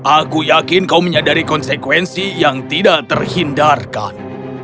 aku yakin kau menyadari konsekuensi yang tidak terhindarkan